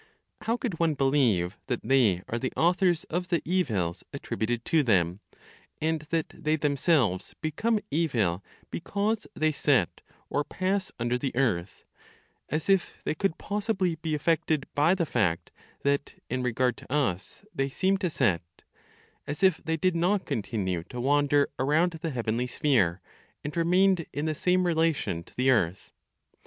How could one believe that they are the authors of the evils attributed to them, and that they themselves become evil because they set or pass under the earth, as if they could possibly be affected by the fact that, in regard to us, they seem to set; as if they did not continue to wander around the heavenly sphere, and remained in the same relation to the earth?